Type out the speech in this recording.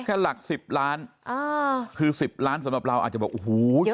แค่หลักสิบล้านอ่าคือสิบล้านสำหรับเราอาจจะบอกโอ้โห